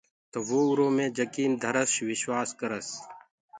تو وو اُرو مي جڪيٚن ڌرس وشواس ڪرس۔